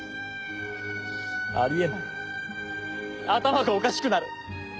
あり得ない頭がおかしくなる。